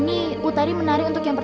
makanyagil gewoon untuk bantuan kelas